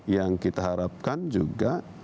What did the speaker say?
yang kita harapkan juga